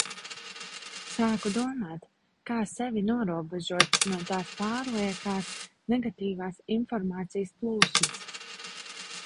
Sāku domāt, kā sevi norobežot no tās pārliekās negatīvās informācijas plūsmas.